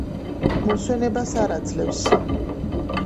მოსვენებას არ აძლევს.